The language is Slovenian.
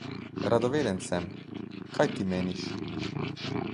Radoveden sem, kaj ti meniš!